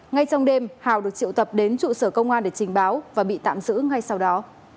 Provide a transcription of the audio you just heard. ngay trong đêm hào được triệu tập đến trụ sở công an để trình báo và bị tạm giữ ngay sau đó